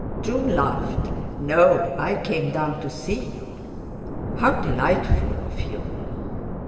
June laughed. "No; I came down to see you." "How delightful of you."